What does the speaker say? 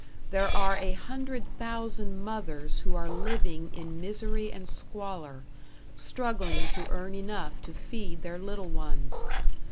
There are a hundred thousand mothers who are living in misery and squalor, struggling to earn enough to feed their little ones!